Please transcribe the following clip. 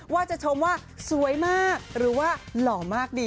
ว่าจะชมว่าสวยมากหรือว่าหล่อมากดี